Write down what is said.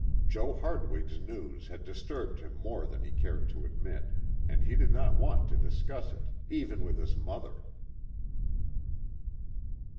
Joe Hardwig's news had disturbed him more than he cared to admit, and he did not want to discuss it, even with his mother.